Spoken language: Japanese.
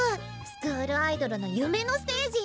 スクールアイドルの夢のステージ！